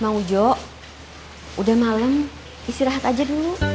mau jo udah malem istirahat aja dulu